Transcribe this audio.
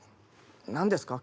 何ですか？